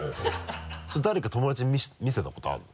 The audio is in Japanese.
誰か友達に見せたことあるの？